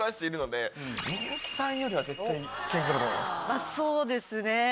まあそうですね。